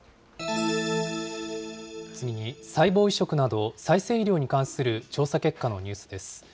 次に、細胞移植など再生医療に関する調査結果のニュースです。